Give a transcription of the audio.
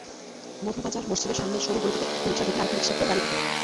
মধুবাজার মসজিদের সামনের সরু গলিটিতে একটি রিকশা ঢুকলে আরেকটি রিকশাকে দাঁড়িয়ে থাকতে হয়।